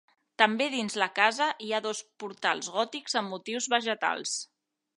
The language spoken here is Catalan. També dins la casa hi ha dos portals gòtics amb motius vegetals.